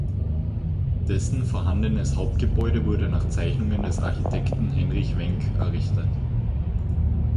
Dessen vorhandenes Hauptgebäude wurde nach Zeichnungen des Architekten Henrich Wenck errichtet.